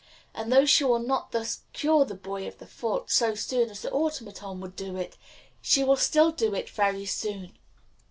And though she will not thus cure the boy of the fault so soon as the automaton would do it, she will still do it very soon.